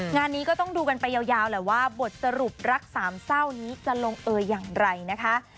งานนี้ก็ต้องดูกันไปยาวแหละว่าบทสรุปรักสามเศร้านี้จะลงเอออย่างไรนะคะ